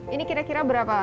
ini kira kira berapa